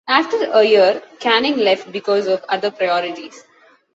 After a year, Canning left because of other priorities.